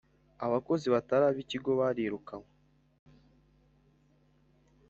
abakozi batari ab ikigo bari rukanywe